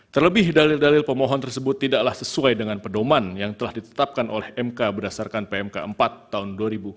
terlebih dalil dalil pemohon tersebut tidaklah sesuai dengan pedoman yang telah ditetapkan oleh mk berdasarkan pmk empat tahun dua ribu dua